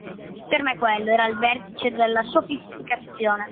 Per me quello era il vertice della sofisticazione".